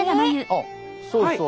あっそうそう。